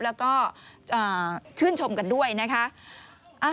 แล้วก็ชื่นชมกันด้วยนะคะ